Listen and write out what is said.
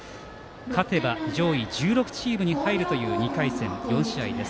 勝てば上位１６チームに入るという２回戦４試合です。